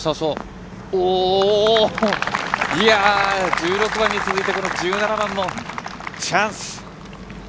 １６番に続いて１７番もチャンス。